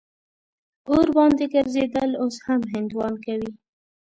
اور باندې ګرځېدل اوس هم هندوان کوي.